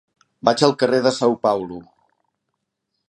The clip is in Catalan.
Vaig al carrer de São Paulo.